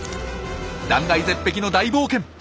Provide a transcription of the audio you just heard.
断崖絶壁の大冒険。